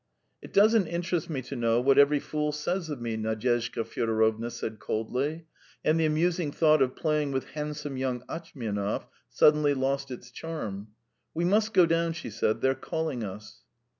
"It doesn't interest me to know what every fool says of me," Nadyezhda Fyodorovna said coldly, and the amusing thought of playing with handsome young Atchmianov suddenly lost its charm. "We must go down," she said; "they're calling us."